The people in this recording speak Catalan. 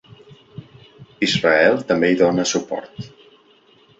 Israel també hi dóna suport.